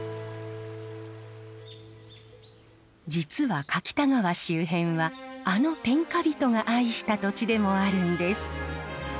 実は柿田川周辺はあの天下人が愛した土地でもあるんです。